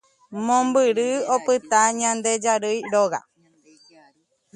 Mombyrýpiko opyta nde jarýi róga.